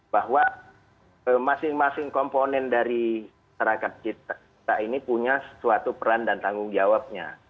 bahwa masing masing komponen dari masyarakat kita ini punya suatu peran dan tanggung jawabnya